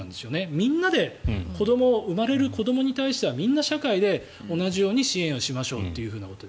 みんなで生まれる子どもに対してはみんな社会で同じように支援しましょうということで。